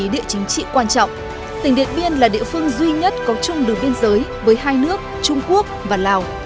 địa chính trị quan trọng tỉnh điện biên là địa phương duy nhất có chung đường biên giới với hai nước trung quốc và lào